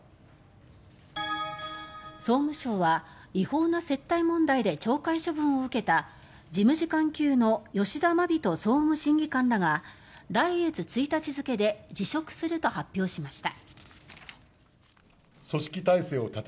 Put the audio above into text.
総務省は違法な接待問題で懲戒処分を受けた事務次官級の吉田眞人総務審議官らが来月１日付で辞職すると発表しました。